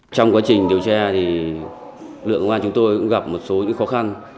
trong quá trình điều tra thì lượng ngôn ngăn chúng tôi cũng gặp một số những khó khăn